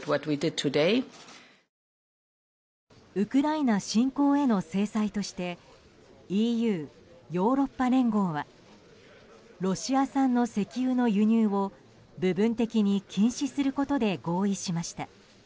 ウクライナ侵攻への制裁としてＥＵ・ヨーロッパ連合はロシア産の石油の輸入を部分的に禁止することで合意しました。